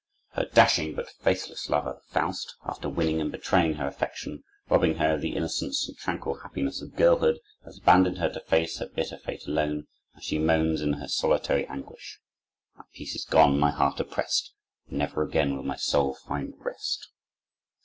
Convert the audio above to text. Her dashing but faithless lover, Faust, after winning and betraying her affection, robbing her of the innocence and tranquil happiness of girlhood, has abandoned her to face her bitter fate alone; and she moans in her solitary anguish: "My peace is gone, my heart oppressed, And never again will my soul find rest."